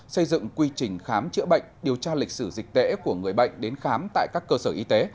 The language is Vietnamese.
xây dựng quy trình khám chữa bệnh điều tra lịch sử dịch tễ của người bệnh đến khám tại các cơ sở y tế